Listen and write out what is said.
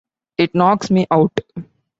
It knocks me out.